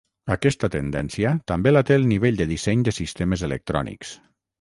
Aquesta tendència també la té el nivell de disseny de sistemes electrònics.